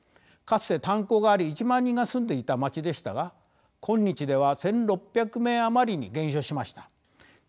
かつて炭鉱があり１万人が住んでいた町でしたが今日では１，６００名余りに減少しました。